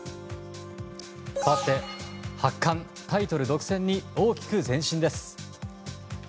かわって八冠タイトル独占に大きく前進です。